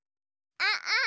あっ。